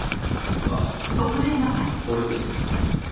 ああ俺です。